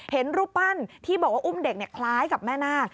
เห็นรูปปั้นที่บอกว่าอุ้มเด็กคล้ายกับแม่นาค